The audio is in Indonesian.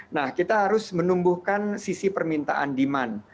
nah kita harus menumbuhkan sisi permintaan demand